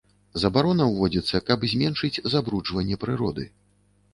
Забарона ўводзіцца, каб зменшыць забруджванне прыроды.